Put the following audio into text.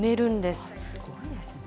すごいですね。